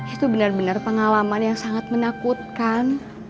itu benar benar pengalaman yang sangat menakutkan